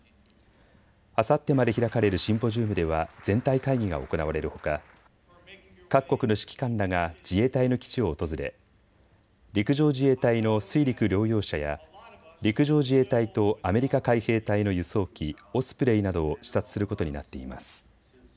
あさってまで開かれるシンポジウムでは全体会議が行われるほか各国の指揮官らが自衛隊の基地を訪れ陸上自衛隊の水陸両用車や陸上自衛隊とアメリカ海兵隊の輸送機オスプレイなどを視察することになっています。